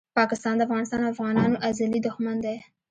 پاکستان دافغانستان او افغانانو ازلي دښمن ده